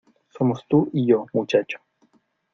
Somos tú y yo, muchacho.